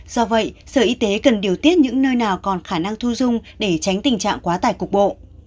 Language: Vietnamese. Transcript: do vậy sở y tế cần điều tiết những nơi nào còn khả năng thu dung để tránh tình trạng quá tải cục bộ